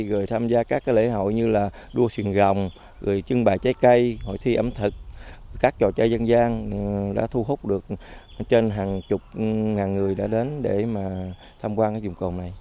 rồi tham gia các cái lễ hội như là đua xuyền rồng rồi chưng bài trái cây hội thi ẩm thực các trò chơi dân gian đã thu hút được trên hàng chục ngàn người đã đến để mà tham quan